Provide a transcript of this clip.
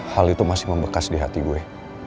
hal itu masih membekas di hati gue